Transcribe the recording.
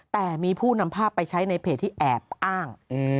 แต่มีผู้นำภาพไปใช้ในเพจที่แอบอ้าง